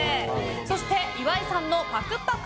そして、岩井さんのパクパク！